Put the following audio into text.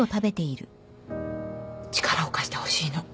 力を貸してほしいの。